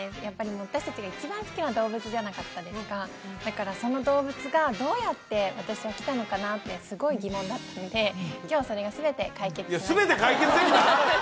もう私達が一番好きな動物じゃなかったですかだからその動物がどうやって私は来たのかなってすごい疑問だったので今日はそれが全て解決しました全て解決できた！？